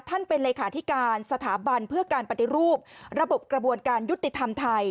เป็นเลขาธิการสถาบันเพื่อการปฏิรูประบบกระบวนการยุติธรรมไทย